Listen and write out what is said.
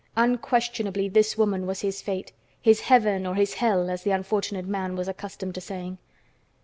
Unquestionably this woman was his fate; his heaven or his hell, as the unfortunate man was accustomed to saying.